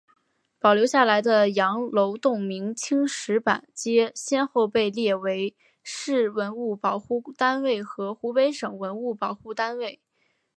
保留下来的羊楼洞明清石板街先后被列为市文物保护单位和湖北省文物保护单位。